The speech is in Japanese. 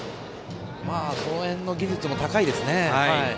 その辺の技術も高いですね。